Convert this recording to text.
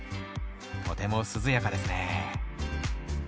とても涼やかですね。